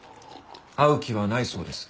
会う気はないそうです。